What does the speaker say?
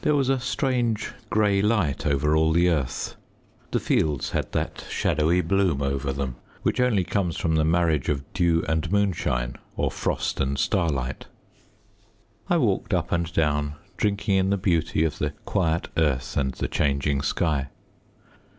There was a strange grey light over all the earth; the fields had that shadowy bloom over them which only comes from the marriage of dew and moonshine, or frost and starlight. I walked up and down, drinking in the beauty of the quiet earth and the changing sky.